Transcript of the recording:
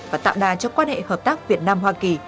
và tạm đa cho quan hệ hợp tác việt nam hoa kỳ